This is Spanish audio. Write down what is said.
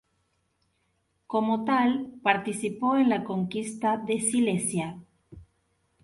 Como tal participó en la conquista de Silesia.